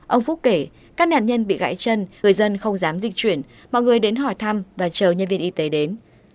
ông phúc kể các nạn nhân bị gãy chân người dân không dám dịch chuyển mọi người đến hỏi thăm và chờ nhân viên y tế đến